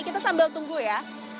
kita sambil tunggu ya